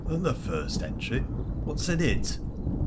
' And the first entry ? What said it